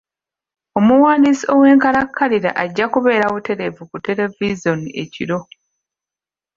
Omuwandiisi ow'enkalakalira ajja kubeera butereevu ku televizoni ekiro.